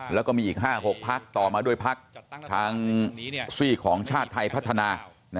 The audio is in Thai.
แล้วก็มีอีก๕๖พักต่อมาด้วยพักทางซีกของชาติไทยพัฒนา